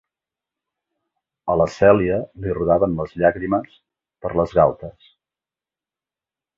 A la Cèlia li rodaven les llàgrimes per les galtes.